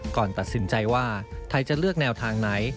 ก่อนตัดสินใจว่าไทยจะเลือกแนวทางไหน